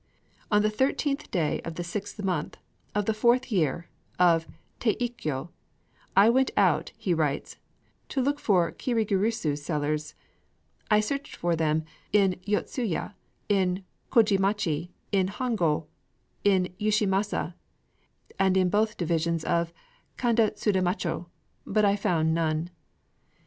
"On the thirteenth day of the sixth month of the fourth year of Teikyo , I went out," he writes, "to look for kirigirisu sellers. I searched for them in Yotsuya, in Kōjimachi, in Hongō, in Yushimasa, and in both divisions of Kanda Sudamachō; but I found none."